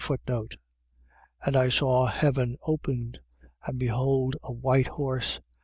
And I saw heaven opened: and behold a white horse.